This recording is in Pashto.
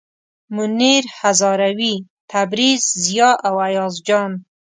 منیر هزاروي، تبریز، ضیا او ایاز جان.